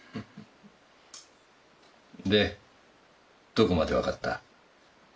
でどこまで分かった？